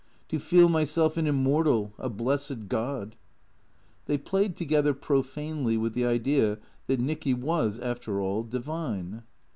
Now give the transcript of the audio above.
" To feel myself an immortal, a blessed god ! They played together, profanely, with the idea that Nicky was after all divine.